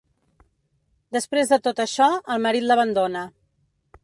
Després de tot això, el marit l’abandona.